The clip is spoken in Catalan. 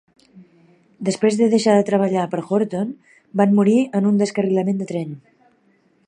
Després de deixar de treballar per Horton, van morir en un descarrilament de tren.